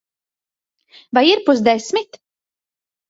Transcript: Vai ir pusdesmit?